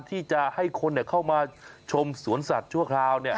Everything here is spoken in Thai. ที่จะให้คนเข้ามาชมสวนสัตว์ชั่วคราว